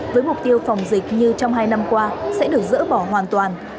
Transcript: với mục tiêu phòng dịch như trong hai năm qua sẽ được dỡ bỏ hoàn toàn